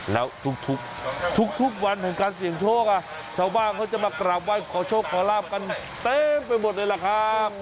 แล้วทุกวันแห่งการเสี่ยงโชคชาวบ้านเขาจะมากราบไหว้ขอโชคขอลาบกันเต็มไปหมดเลยล่ะครับ